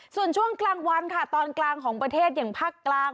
ส่วนช่วงกลางวันค่ะตอนกลางของประเทศอย่างภาคกลาง